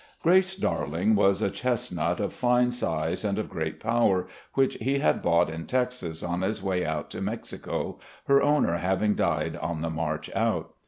Grace Darling was a chestnut of fine size and of great power, which he had bought in Texas on his way out to Mexico, her owner having died on the march out.